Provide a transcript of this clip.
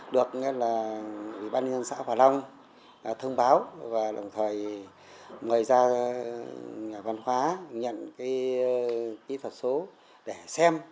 được địa bàn xã hòa long thông báo và đồng thời mời ra nhà văn hóa nhận kỹ thuật số để xem